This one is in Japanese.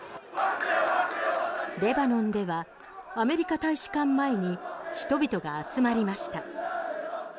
レバノンではアメリカ大使館前に人々が集まりました。